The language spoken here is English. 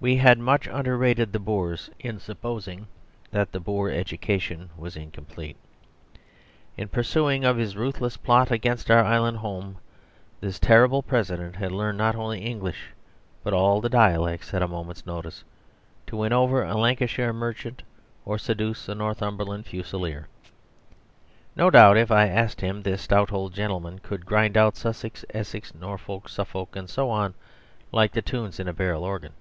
We had much underrated the Boers in supposing that the Boer education was incomplete. In pursuit of his ruthless plot against our island home, the terrible President had learnt not only English, but all the dialects at a moment's notice to win over a Lancashire merchant or seduce a Northumberland Fusilier. No doubt, if I asked him, this stout old gentleman could grind out Sussex, Essex, Norfolk, Suffolk, and so on, like the tunes in a barrel organ.